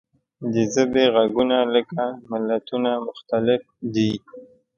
د ژبې غږونه لکه ملتونه مختلف دي.